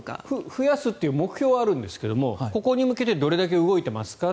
増やすという目標はあるんですがここに向けてどれだけ動いていますか